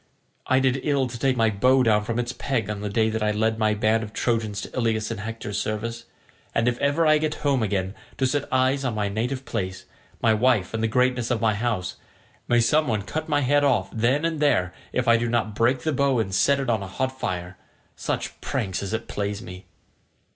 I did ill to take my bow down from its peg on the day I led my band of Trojans to Ilius in Hector's service, and if ever I get home again to set eyes on my native place, my wife, and the greatness of my house, may some one cut my head off then and there if I do not break the bow and set it on a hot fire—such pranks as it plays me."